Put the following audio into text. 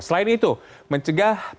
selain itu mencegah polio